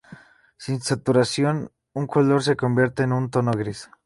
Sin saturación, un color se convierte en un tono de gris.